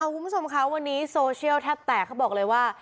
คุณผู้ชมคะวันนี้โซเชียลแทบแตกเขาบอกเลยว่า